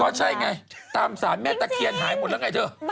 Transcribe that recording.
ใช่ไงตามสารแม่ตะเคียนหายหมดแล้วไงเธอ